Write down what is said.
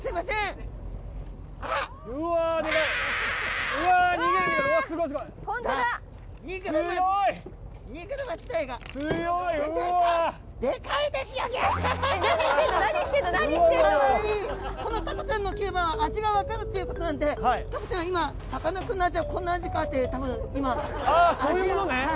すごいね！